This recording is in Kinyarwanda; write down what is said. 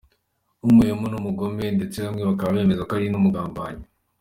N’umuhemu n’umugome ndetse bamwe bakaba bemeza ko ari n’umugambanyi.